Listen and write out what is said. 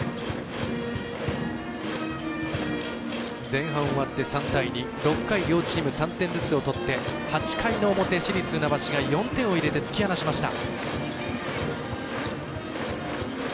前半終わって３対２６回、両チーム３点ずつを取って８回の表、市立船橋が４点を入れて突き放しました。